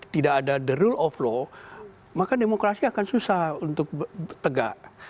tidak ada the rule of law maka demokrasi akan susah untuk tegak